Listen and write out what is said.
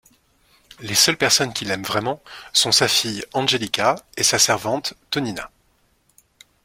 Les seules personnes qui l’aiment vraiment sont sa fille Angelica et sa servante Tonina.